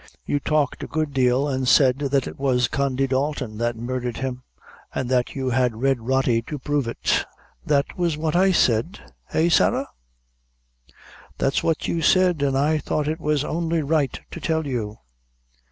"You talked a good deal, an' said that it was Condy Dalton that murdhered him, and that you had Red Rody to prove it." "That was what I said? eh, Sarah?" "That's what you said, an' I thought it was only right to tell you."